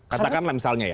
katakanlah misalnya ya